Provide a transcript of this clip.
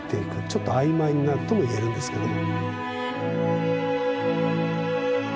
ちょっと曖昧になるとも言えるんですけど。